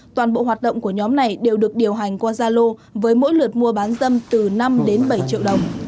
toàn bộ hoạt động của nhóm này đều được điều hành qua gia lô với mỗi lượt mua bán dâm từ năm đến bảy triệu đồng